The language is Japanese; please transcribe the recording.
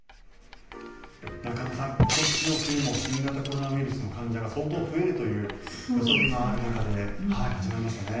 中野さん、今年の冬も新型コロナウイルスの患者が相当増えるという予測がある中で始まりましたね。